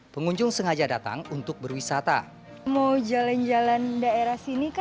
pengunjung sengaja datang untuk berwisata